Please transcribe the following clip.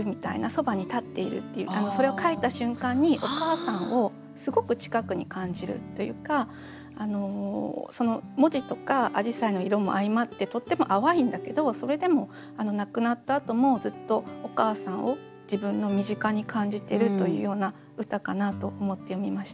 そばにたっているっていうそれを書いた瞬間にお母さんをすごく近くに感じるというか文字とかあじさいの色も相まってとっても淡いんだけどそれでも亡くなったあともずっとお母さんを自分の身近に感じてるというような歌かなと思って読みました。